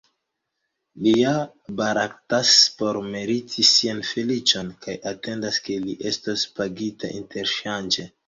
Li ja baraktas por meriti sian feliĉon, kaj atendas ke li estos pagita interŝanĝe.